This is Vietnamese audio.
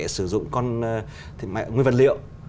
sử dụng con nguyên vật liệu